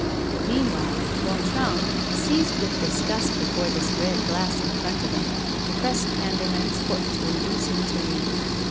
Meanwhile, Gontran, seized with disgust before this red glass in front of him, pressed Andermatt's foot to induce him to leave.